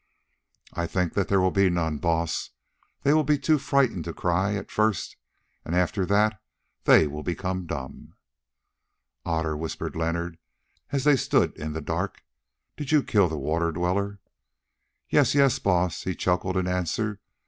"I think that there will be none, Baas; they will be too frightened to cry at first, and after that they will become dumb." "Otter," whispered Leonard, as they stood in the dark, "did you kill the Water Dweller?" "Yes, yes, Baas," he chuckled in answer.